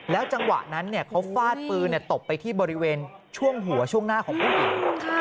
จังหวะนั้นเขาฟาดปืนตบไปที่บริเวณช่วงหัวช่วงหน้าของผู้หญิง